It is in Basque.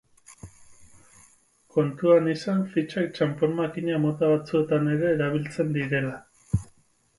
Kontuan izan fitxak txanpon-makina mota batzuetan ere erabiltzen direla.